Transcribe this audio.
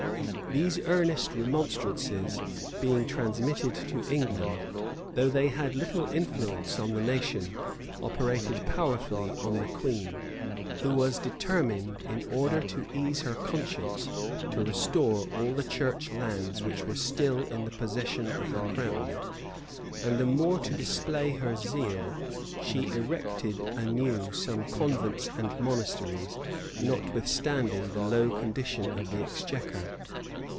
[*] These earnest remonstrances being transmitted to England, though they had little influence on the nation, operated powerfully on the queen, who was determined, in order to ease her conscience, to restore all the church lands which were still in the possession of the crown; and the more to display her zeal, she erected anew some convents and monasteries, notwithstanding the low condition of the exchequer.